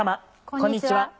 こんにちは。